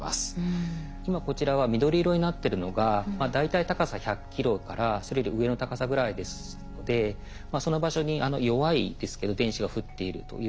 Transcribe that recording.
今こちらは緑色になってるのが大体高さ１００ｋｍからそれより上の高さぐらいですのでその場所に弱いですけど電子が降っているということが分かります。